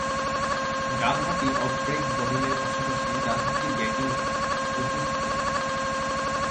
ডানহাতি off break বোলিংয়ের পাশাপাশি ডানহাতে ব্যাটিংয়ে অভ্যস্ত তিনি।